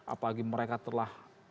apalagi mereka telah